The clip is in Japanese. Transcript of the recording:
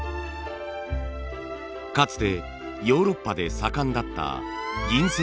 かつてヨーロッパで盛んだった銀線細工。